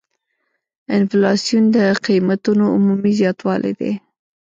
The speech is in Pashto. انفلاسیون د قیمتونو عمومي زیاتوالی دی.